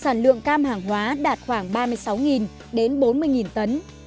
sản lượng cam hàng hóa đạt khoảng ba mươi sáu đến bốn mươi tấn